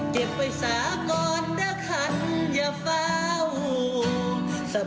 เก็บไว้สาก้อนเด้อคันของเจ้า